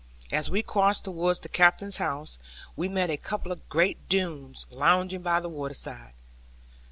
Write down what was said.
As we crossed towards the Captain's house, we met a couple of great Doones lounging by the waterside.